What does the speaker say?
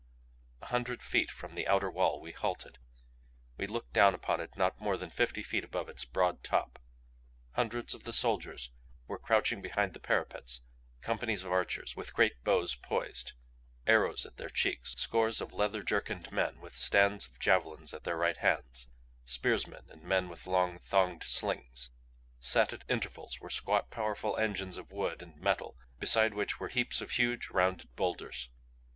A hundred feet from the outer wall we halted. We looked down upon it not more than fifty feet above its broad top. Hundreds of the soldiers were crouching behind the parapets, companies of archers with great bows poised, arrows at their cheeks, scores of leather jerkined men with stands of javelins at their right hands, spearsmen and men with long, thonged slings. Set at intervals were squat, powerful engines of wood and metal beside which were heaps of huge, rounded boulders.